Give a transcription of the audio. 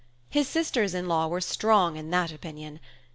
His sisters in law were strong in that opinion.